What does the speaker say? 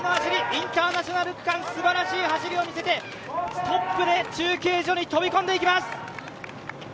インターナショナル区間、すばらしい走りを見せてトップで中継所に飛び込んでいきます。